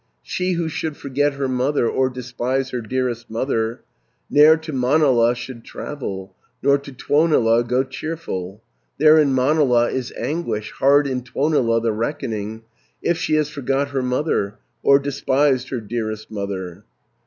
460 "She who should forget her mother, Or despise her dearest mother, Ne'er to Manala should travel, Nor to Tuonela go cheerful. There in Manala is anguish, Hard in Tuonela the reckoning, If she has forgot her mother, Or despised her dearest mother.